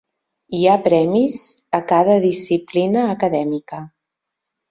Hi ha premis a cada disciplina acadèmica.